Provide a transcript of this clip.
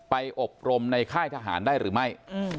อบรมในค่ายทหารได้หรือไม่